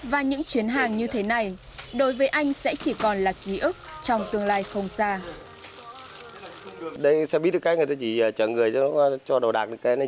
và những chuyến hàng như thế này đối với anh sẽ chỉ còn là ký ức trong tương lai không xa